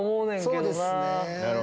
そうですね。